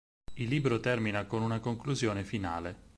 Il libro termina con una conclusione finale.